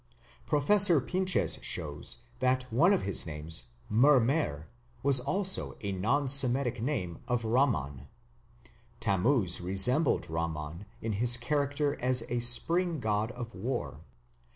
Professor Pinches shows that one of his names, Mermer, was also a non Semitic name of Ramman. Tammuz resembled Ramman in his character as a spring god of war.